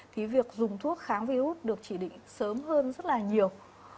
thì việc dùng thuốc kháng viếu hút được chỉ định sớm hơn rất là nhiều